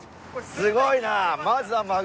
すごいな。